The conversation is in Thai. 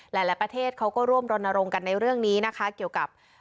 หลายประเทศเขาก็ร่วมรณรงค์กันในเรื่องนี้นะคะเกี่ยวกับ